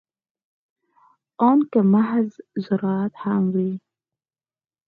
ان که محض زراعت هم وي.